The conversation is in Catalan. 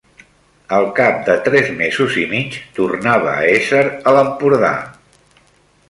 Al cap de tres mesos i mig, tornava a ésser a l'Empordà.